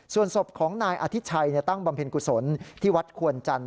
ส่วนศพของนายอธิชัยตั้งบำเพ็ญกุศลที่วัดควนจันท